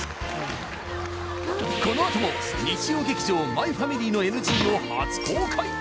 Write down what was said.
このあとも日曜劇場「マイファミリー」のＮＧを初公開